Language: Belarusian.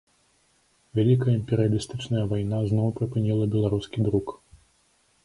Вялікая імперыялістычная вайна зноў прыпыніла беларускі друк.